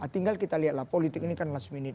tinggal kita lihatlah politik ini kan last minute